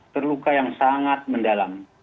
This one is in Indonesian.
terluka yang sangat mendalam